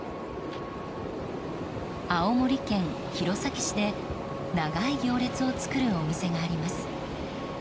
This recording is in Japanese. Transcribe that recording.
青森県弘前市で長い行列を作るお店があります。